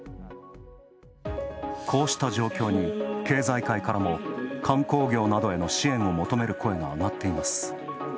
こうした状況に、経済界からも観光業などへの支援を求める声が上がっています。